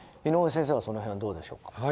井上先生はその辺はどうでしょうか？